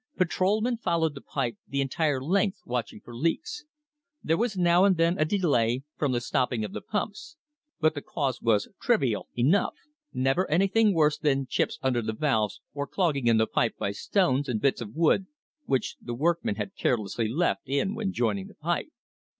Patrolmen followed the pipe the entire length watching for leaks. There was now and then a delay from the stopping of the pumps; but the cause was trivial enough, never anything worse than chips under the valves or clogging in the pipe by stones and bits of wood which the workmen had carelessly left in when joining the pipe.